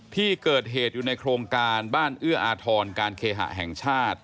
ที่เกิดเหตุอยู่ในโครงการบ้านเอื้ออาทรการเคหะแห่งชาติ